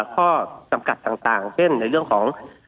ข้อจำกัดต่างเช่นในเรื่องของ